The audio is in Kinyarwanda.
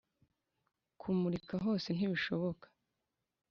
kumurika hose ntibishoboka.